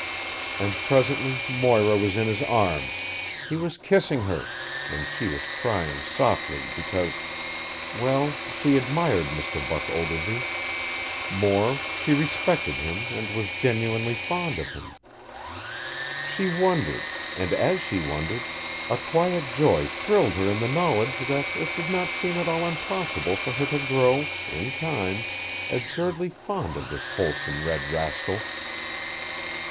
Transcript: And presently Moira was in his arms, he was kissing her, and she was crying softly because well, she admired Mr. Buck Ogilvy; more, she respected him and was genuinely fond of him. She wondered, and as she wondered, a quiet joy thrilled her in the knowledge that it did not seem at all impossible for her to grow, in time, absurdly fond of this wholesome red rascal.